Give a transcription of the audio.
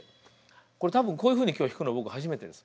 これ多分こういうふうに今日弾くの僕初めてです。